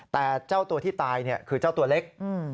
แต่เจ้าตัวที่ตายคือเจ้าตัวเล็ก